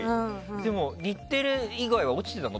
でも、日テレ以外は落ちてたの？